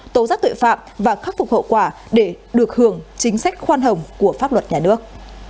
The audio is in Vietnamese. tố giác tội phạm và khắc phục hậu quả để được hưởng chính sách khoan hồng của pháp luật nhà nước